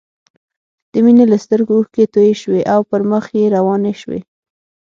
د مينې له سترګو اوښکې توې شوې او پر مخ يې روانې شوې